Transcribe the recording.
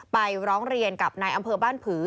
ร้องเรียนกับนายอำเภอบ้านผือ